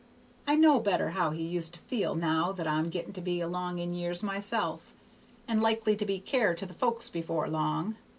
I know better how he used to feel now that I'm getting to be along in years myself, and likely to be some care to the folks before long.